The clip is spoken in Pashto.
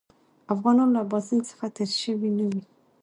افغانان له اباسین څخه تېر شوي نه وي.